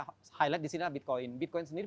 highlight di sini adalah bitcoin bitcoin sendiri